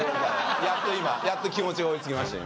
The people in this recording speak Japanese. やっと今やっと気持ちが追いつきました